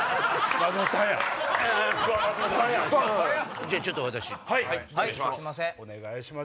じゃあちょっと私失礼します。